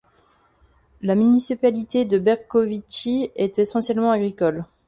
La municipalité de Berkovići est essentiellement agricole.